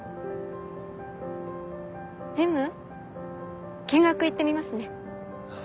ジム見学行ってみますね。